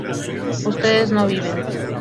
ustedes no viven